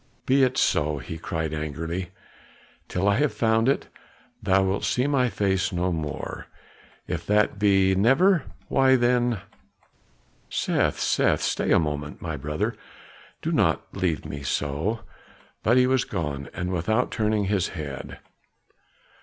"Be it so," he cried angrily. "Till I have found it, thou wilt see my face no more; if that be never, why then " "Seth, Seth! Stay a moment, my brother! do not leave me so!" But he was gone, and without turning his head.